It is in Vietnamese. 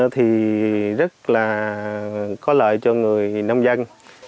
thì rất là có lợi cho người nông dân